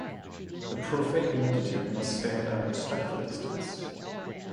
The profane multitude must stand at a respectful distance.